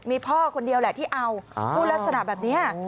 มีพ่อคนเดียวแหละที่เอาพูดลักษณะแบบนี้